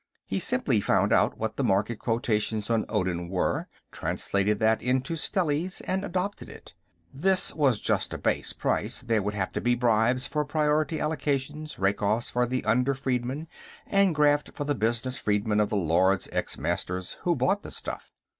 He simply found out what the market quotations on Odin were, translated that into stellies, and adopted it. This was just a base price; there would have to be bribes for priority allocations, rakeoffs for the under freedmen, and graft for the business freedmen of the Lords ex Masters who bought the stuff.